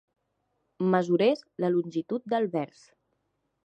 Mesurés la longitud del vers.